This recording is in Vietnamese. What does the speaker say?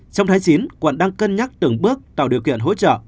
trong tháng chín quận đang cân nhắc từng bước tạo điều kiện hỗ trợ